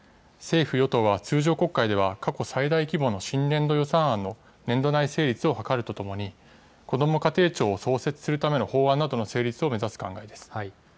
政府・与党は通常国会では過去最大規模の新年度予算案の年度内成立を図るとともに、こども家庭庁を創設するための法案などの成立を目指す考えです。